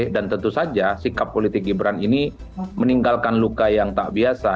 dan tentu saja sikap politik gibran ini meninggalkan luka yang tak biasa